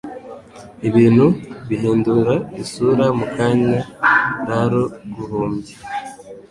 ibintu bihindura isura mukanyanlalo guhumbya